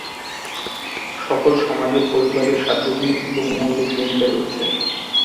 সকল সমাজে পরিবারের সার্বজনীন এবং মৌলিক ভূমিকা রয়েছে।